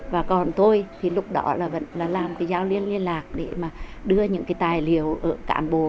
và còn tôi thì lúc đó là vẫn là làm cái giao liên liên lạc để mà đưa những cái tài liệu ở cản bồ